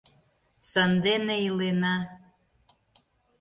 Сандене илена.